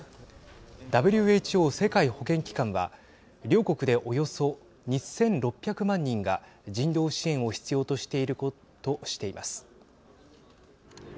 ＷＨＯ＝世界保健機関は両国でおよそ２６００万人が人道支援を必要としているとしています。